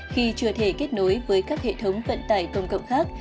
khi chưa thể kết nối với các hệ thống vận tải công cộng khác